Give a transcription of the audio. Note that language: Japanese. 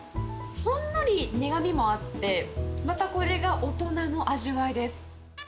ほんのり苦みもあって、またこれが大人の味わいです。